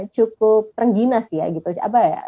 cukup terenggina sih ya